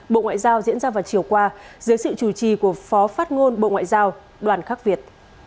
bộ ngoại giao diễn ra vào chiều qua dưới sự chủ trì của phó phát ngôn bộ ngoại giao đoàn khắc việt